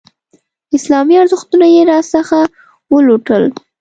اسلامي ارزښتونه یې راڅخه ولوټل.